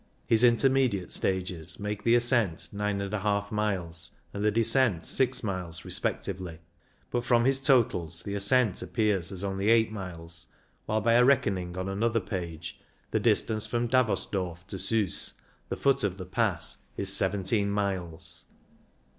His intermediate stages make the ascent 9^ miles and the descent 6 miles respectively, but from his totals the ascent appears as 58 CYCLING IN THE ALPS only 8 miles, while by a reckoning on another page the distance from Davos Dorf to Siis, the foot of the Pass, is 17 miles!